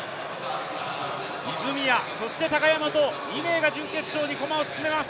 泉谷、そして高山と２名が準決勝に駒を進めます。